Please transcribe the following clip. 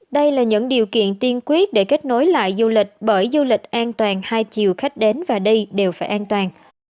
đây là những điều kiện tiên quyết để kết nối lại du lịch bởi du lịch an toàn hai chiều khách đến và đi đều phải an toàn